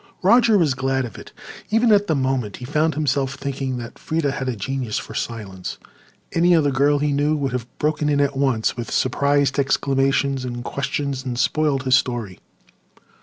Roger was glad of it. Even at the moment he found himself thinking that Freda had a genius for silence. Any other girl he knew would have broken in at once with surprised exclamations and questions and spoiled his story.